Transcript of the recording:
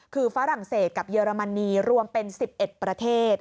คือฝรั่งเศสกับเยอรมนีรวมเป็น๑๑ประเทศ